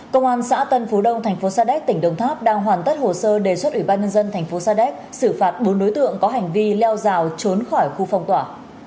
công an xã tân phú đông thành phố sa đéc tỉnh đồng tháp đang hoàn tất hồ sơ đề xuất ủy ban nhân dân thành phố sa đéc xử phạt bốn đối tượng có hành vi leo rào trốn khỏi khu phong tỏa